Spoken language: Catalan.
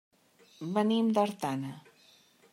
Venim d'Artana.